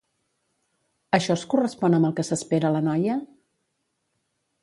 Això es correspon amb el que s'espera la noia?